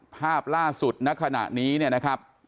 ภาพล่าสุดณขณะนี้นะครับ